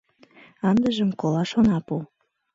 — Ындыжым колаш она пу!